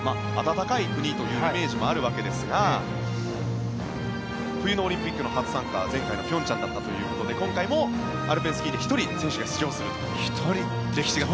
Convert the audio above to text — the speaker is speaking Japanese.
暖かい国というイメージもあるわけですが冬のオリンピックの初参加は前回の平昌だったということで今回もアルペンスキーで１人、選手が出場すると。